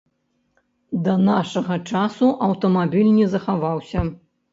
Да нашага часу аўтамабіль не захаваўся.